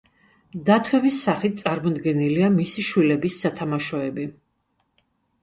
დათვების სახით წარმოდგენილია მისი შვილების სათამაშოები.